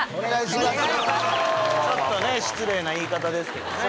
ちょっとね失礼な言い方ですけどね